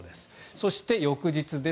そして、翌日です。